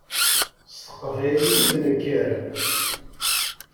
S teqbaylit i d-nekker.